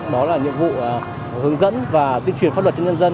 đó là nhiệm vụ hướng dẫn và tuyên truyền pháp luật cho nhân dân